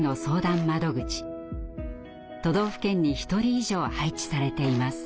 都道府県に１人以上配置されています。